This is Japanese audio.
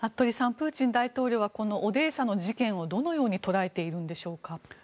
プーチン大統領はオデーサの事件をどのように捉えているんでしょうか。